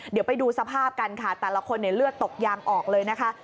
เดี๋ยวไปดูสภาพกันค่ะแต่ละคนเลือดตกยางออกเลยนะคะ